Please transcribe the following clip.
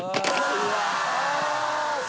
うわ！